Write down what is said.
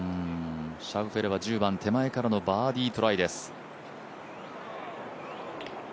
シャウフェレは１０番、手前からのバーディートライです。